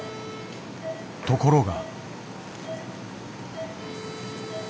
ところが。